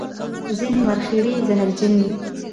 ځینې مرخیړي زهرجن وي